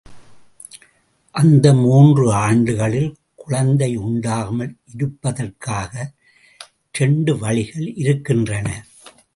அந்த மூன்று ஆண்டுகளில் குழந்தை உண்டாகாமல் இருப்பதற்காக இரண்டு வழிகள் இருக்கின்றன.